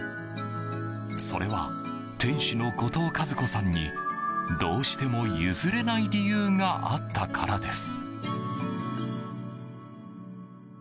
それは店主の後藤和子さんにどうしても譲れない理由があったからです。